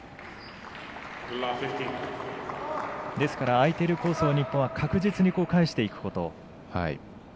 空いているコースを日本は確実に返していくこと。